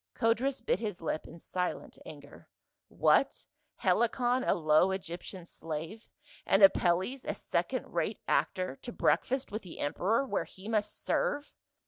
Codrus bit his lip in silent anger. What, Helicon, a low Egyptain slave, and Apelles, a second rate actor, to breakfast with the emperor where he must serve